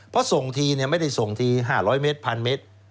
เพราะส่งทีไม่ได้ส่งที๕๐๐เมตร๑๐๐เมตร